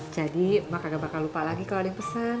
jadi mak gak bakal lupa lagi kalau ada yang pesen